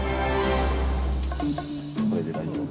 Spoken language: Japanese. これで大丈夫？